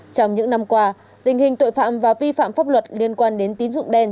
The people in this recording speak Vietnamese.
trong những năm qua tình hình tội phạm và vi phạm pháp luật liên quan đến tín dụng đen